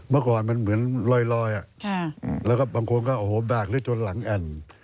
เมื่อก่อนมันเหมือนลอยแล้วก็บางคนก็โอ้โหแบกได้จนหลังแอ่น